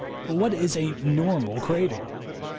What is a "normal" craving?